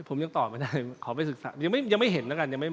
ผมยังตอบไม่ได้ขอไปศึกษายังไม่เห็นแล้วกัน